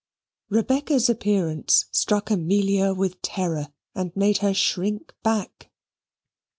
Rebecca's appearance struck Amelia with terror, and made her shrink back.